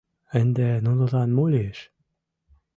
— Ынде нунылан мо лиеш?